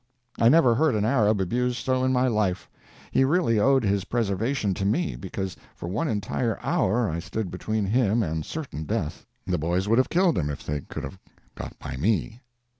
I never heard an Arab abused so in my life. He really owed his preservation to me, because for one entire hour I stood between him and certain death. The boys would have killed him if they could have got by me.